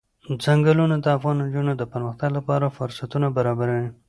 ځنګلونه د افغان نجونو د پرمختګ لپاره فرصتونه برابروي.